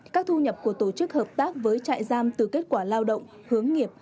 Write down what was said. các thu nhập của tổ chức hợp tác với trại giam từ kết quả lao động hướng nghiệp